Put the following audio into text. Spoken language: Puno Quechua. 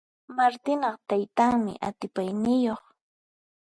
Martinaq taytanmi atipayniyuq.